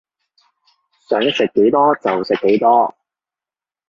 想食幾多就食幾多